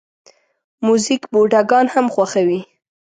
موزیک بوډاګان هم خوښوي.